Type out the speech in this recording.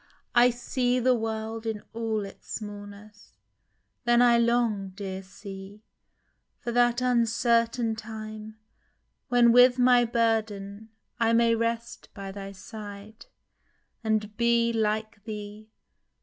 I see the world In all its smallness. Then I long, dear C .... For that uncertain time, when with my burden I may rest by thy side, and be, hke thee.